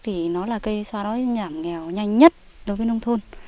thì nó là cây so với giảm nghèo nhanh nhất đối với nông thôn